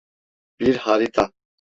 Bir harita.